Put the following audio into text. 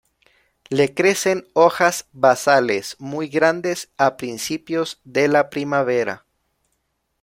Le crecen hojas basales muy grandes a principios de la primavera.